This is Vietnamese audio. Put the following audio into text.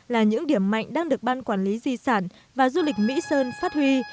là những điểm mạnh đang được ban quản lý di sản và du lịch mỹ sơn phát huy